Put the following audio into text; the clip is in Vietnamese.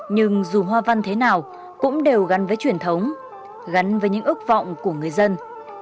nhưng dù hoa văn thế nào cũng đều gắn với truyền thống gắn với những ước vọng của người dân